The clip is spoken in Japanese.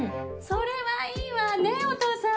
それはいいわねぇお父さん。